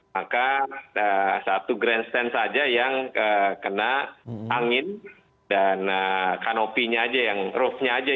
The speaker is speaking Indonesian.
jadi kita bisa lihat bahwa ada satu grandstand saja yang kena angin dan kanopinya aja yang roboh